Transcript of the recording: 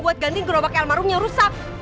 buat gantiin gerobak elmarumnya rusak